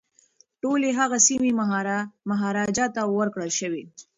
ټولي هغه سیمي مهاراجا ته ورکړل شوې.